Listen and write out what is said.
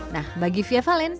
nah bagi fia fallen